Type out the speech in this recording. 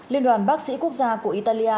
liên đoàn bác sĩ quốc gia của italia